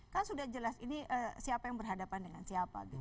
kan sudah jelas ini siapa yang berhadapan dengan siapa gitu